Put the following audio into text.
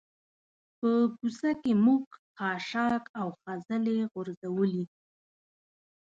په کوڅه کې موږ خاشاک او خځلې غورځولي.